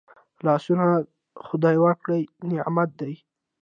لاسونه خدای ورکړي نعمت دی